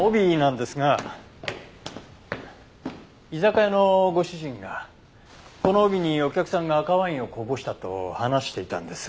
居酒屋のご主人がこの帯にお客さんが赤ワインをこぼしたと話していたんです。